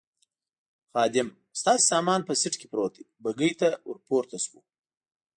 خادم: ستاسې سامان په سېټ کې پروت دی، بګۍ ته ور پورته شوو.